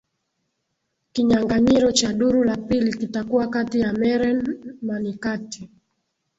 kinyanganyiro cha duru la pili kitakuwa kati ya meren manikati